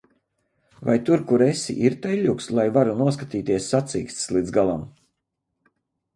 Vai tur, kur esi, ir teļļuks, lai varu noskatīties sacīkstes līdz galam?